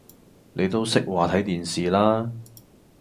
你都識話睇電視啦